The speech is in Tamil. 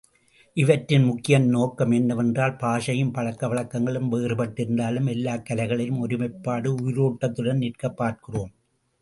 இவற்றின் முக்கியம் என்னவென்றால், பாஷையும் பழக்க வழக்கங்களும் வேறுபட்டிருந்தாலும், எல்லாக் கலைகளிலும் ஒருமைப்பாடு உயிரோட்டத்துடன் நிற்கப் பார்க்கிறோம்.